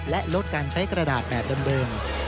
และลดการใช้กระดาษแบบเดิม